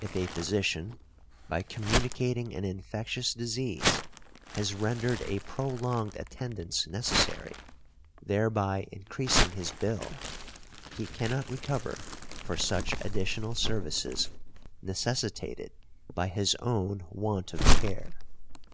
If a physician by communicating an infectious disease has rendered a prolonged attendance necessary, thereby increasing his bill, he cannot recover for such additional services necessitated by his own want of care .